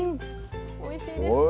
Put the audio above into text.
おいしいですよね。